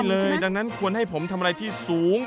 ดังนั้นควรให้ผมทำอะไรที่สูง